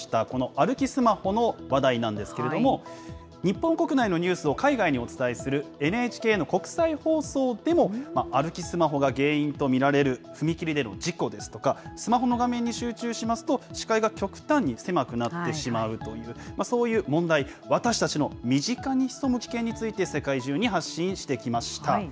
この歩きスマホの話題なんですけれども、日本国内のニュースを海外にお伝えするＮＨＫの国際放送でも、歩きスマホが原因と見られる踏切での事故ですとか、スマホの画面に集中しますと、視界が極端に狭くなってしまうというそういう問題、私たちの身近に潜む危険について、世界中に発信してきました。